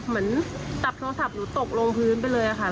เหมือนจับโทรศัพท์หนูตกลงพื้นไปเลยค่ะ